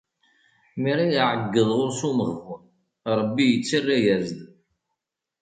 Mi ara iɛeyyeḍ ɣur-s umeɣbun, Rebbi ittarra-as-d.